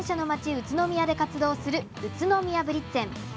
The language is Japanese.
宇都宮で活動する宇都宮ブリッツェン。